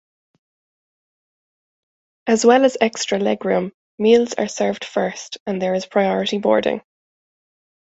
As well as extra legroom, meals are served first and there is priority boarding.